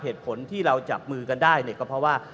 เหตุผลที่เราจับมือกันได้เนี่ยก็เพราะว่า